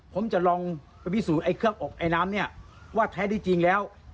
ผมจะลองพิสูจน์เครื่องอบไอน้ำว่าแท้จริงแล้ว